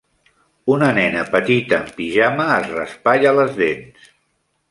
Una nena petita amb pijama es raspalla les dents.